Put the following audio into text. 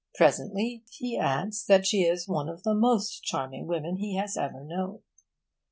Presently he adds that she is one of the most charming women he has ever known.